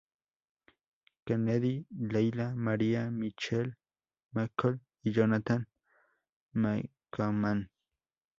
Kennedy, Layla, Maria, Michelle McCool, y Jonathan Coachman.